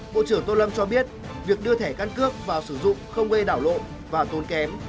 bộ trưởng tô lâm cho biết việc đưa thẻ căn cước vào sử dụng không gây đảo lộ và tốn kém